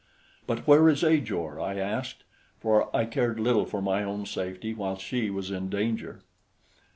"But where is Ajor?" I asked, for I cared little for my own safety while she was in danger.